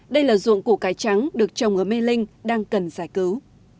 đây là ruộng củ cái trắng được chồng ở mê linh đang cần giải cứu